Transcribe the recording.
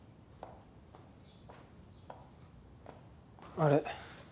あれ？